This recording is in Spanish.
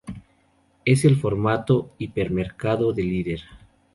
Es el formato hipermercado de Líder.